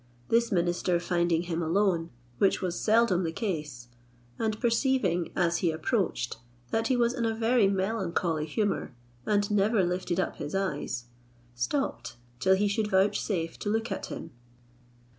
This minister finding him alone, which was seldom the case, and perceiving as he approached that he was in a very melancholy humour, and never lifted up his eyes, stopped till he should vouchsafe to look at him.